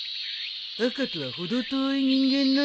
赤とは程遠い人間なんだ。